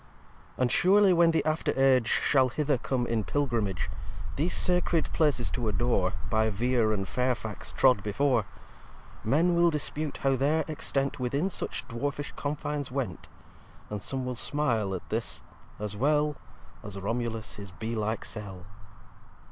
v And surely when the after Age Shall hither come in Pilgrimage, These sacred Places to adore, By Vere and Fairfax trod before, Men will dispute how their Extent Within such dwarfish Confines went: And some will smile at this, as well As Romulus his Bee like Cell.